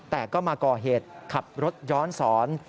แต่ก็มาก่อเหตุขับรถย้อนสอน